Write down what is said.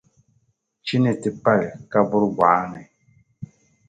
Chi ni ti pali kaburi bɔɣa ni.